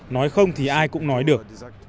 nói không thì ai cũng nói được